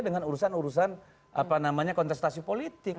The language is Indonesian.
dengan urusan urusan kontestasi politik